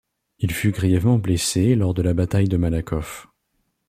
Il fut grièvement blessé lors de la bataille de Malakoff.